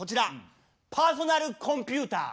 パーソナルコンピューター！